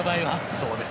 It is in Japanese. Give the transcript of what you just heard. そうです。